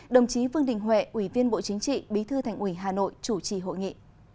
đồng chí vương đình huệ ủy viên bộ chính trị bí thư thành ủy hà nội chủ trì hội nghị